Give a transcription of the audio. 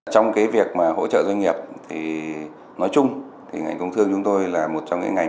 trong việc hỗ trợ doanh nghiệp nói chung ngành công thương chúng tôi là một trong những ngành